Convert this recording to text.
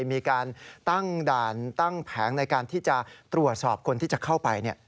มีการตั้งด่านตั้งแผงในการที่จะตรวจสอบคนที่จะเข้าไป